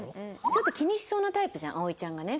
ちょっと気にしそうなタイプじゃん葵ちゃんがね。